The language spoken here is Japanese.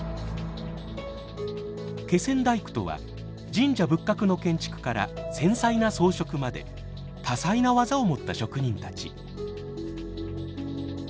気仙大工とは神社仏閣の建築から繊細な装飾まで多彩な技を持った職人たち。